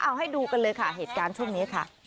เอาให้ดูกันเลยค่ะเหตุการณ์ช่วงนี้ค่ะ